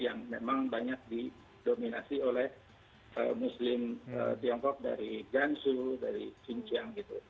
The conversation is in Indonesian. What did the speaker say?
yang memang banyak didominasi oleh muslim tiongkok dari ganzhou dari xinjiang gitu